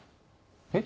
えっ？